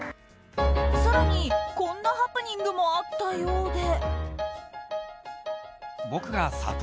更に、こんなハプニングもあったようで。